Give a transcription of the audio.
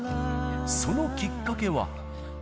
そのきっかけは。